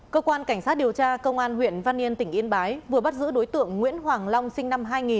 cơ quan cảnh sát điều tra công an huyện văn yên tỉnh yên bái vừa bắt giữ đối tượng nguyễn hoàng long sinh năm hai nghìn